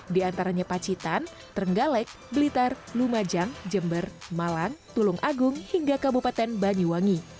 diantaranya pacitan terenggalek blitar lumajang jember malang tulung agung hingga kabupaten banyuwangi